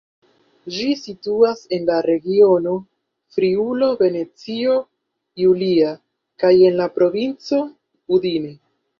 Ĝi situas en la regiono Friulo-Venecio Julia kaj en la provinco Udine.